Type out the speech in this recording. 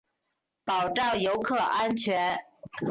保障游客安全